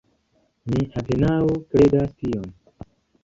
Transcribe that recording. Mi apenaŭ kredas tion.